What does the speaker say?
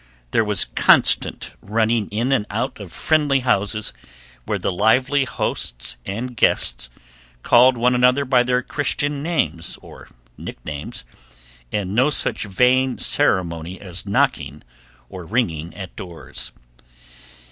There was constant running in and out of friendly houses where the lively hosts and guests called one another by their Christian names or nicknames, and no such vain ceremony as knocking or ringing at doors.